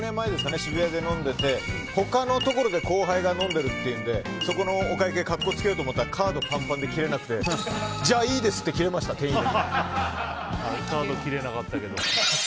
渋谷で飲んでて他のところで後輩が飲んでるというのでそこのお会計で格好つけようと思ったらカードぱんぱんで切れなくてじゃあいいですってキレました、店員に。